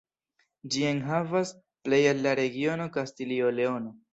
Ĝi enhavas plej el la regiono Kastilio-Leono.